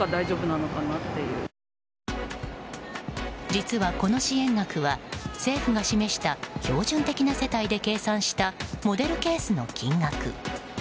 実はこの支援額は政府が示した標準的な世帯で計算したモデルケースの金額。